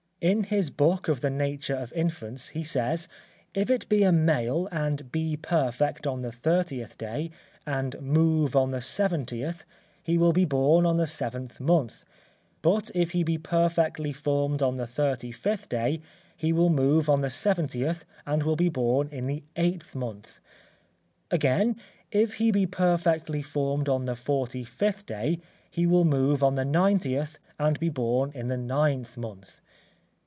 In his book of the nature of infants, he says, if it be a male and be perfect on the thirtieth day, and move on the seventieth, he will be born in the seventh month; but if he be perfectly formed on the thirty fifth day, he will move on the seventieth and will be born in the eighth month. Again, if he be perfectly formed on the forty fifth day, he will move on the ninetieth and be born in the ninth month.